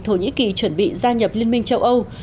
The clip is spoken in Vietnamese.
thổ nhĩ kỳ chuẩn bị gia nhập liên minh châu âu